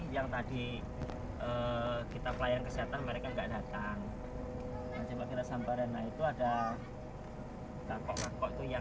yang tadi kita pelayan kesehatan mereka nggak datang